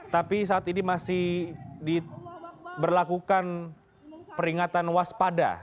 tapi saat ini masih di berlakukan peringatan waspada